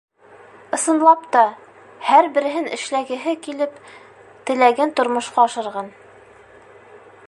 Ысынлап та, һәр береһен эшләгеһе килеп, теләген тормошҡа ашырған.